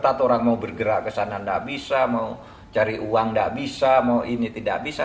taat orang mau bergerak ke sana tidak bisa mau cari uang tidak bisa mau ini tidak bisa